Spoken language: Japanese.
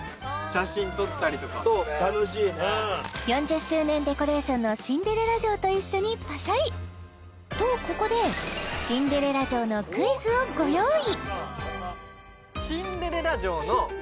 楽しいね４０周年デコレーションのシンデレラ城と一緒にパシャリとここでシンデレラ城のクイズをご用意！